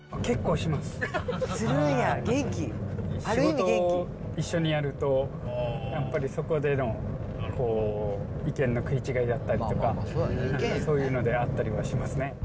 仕事を一緒にやると、やっぱりそこでの意見の食い違いだったりとか、そういうのであったりはしますね。